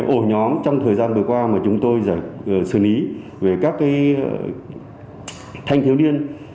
ổ nhóm trong thời gian vừa qua mà chúng tôi giải sửa lý về các thanh thiếu niên